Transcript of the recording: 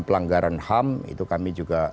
pelanggaran ham itu kami juga